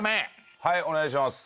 はいお願いします。